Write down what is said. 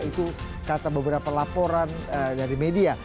itu kata beberapa laporan dari media